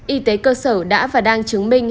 y tế cơ sở đã và đang chứng minh